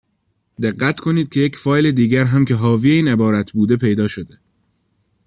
دقت کنید که یک فایل دیگر هم که حاوی این عبارت بوده پیدا شده.